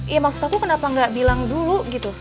ya maksud aku kenapa gak bilang dulu gitu